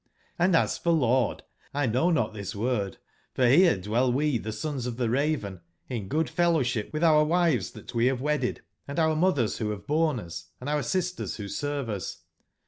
Hnd as for Lord, X know not this word, for here dwell we, the sons of the Raven, in good fellowship, with our wives that we have wedded, and our mothers who have borne us, and our sisters who serve us.